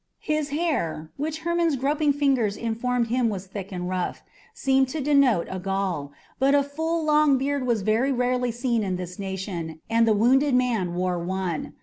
His hair, which Hermon's groping fingers informed him was thick and rough, seemed to denote a Gaul, but a full, long beard was very rarely seen in this nation, and the wounded man wore one.